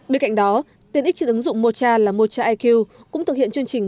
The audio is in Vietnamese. bên cạnh đó tiền ích trên ứng dụng mocha là mocha iq cũng thực hiện chương trình